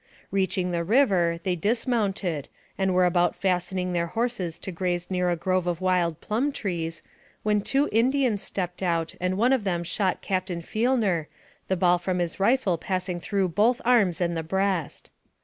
Reaching the river, they dismounted, and were about fastening their horses to graze near a grove of wild plum trees, when two Indians stepped out, and one of them shot Captain Fielner, the ball from his rifle passing through both arms and the breast.